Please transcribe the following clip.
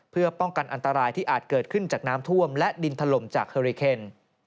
เพื่อป้องกันอันตรายที่อาจเกิดขึ้นจากน้ำท่วมและดินถล่มจากเฮอริเคน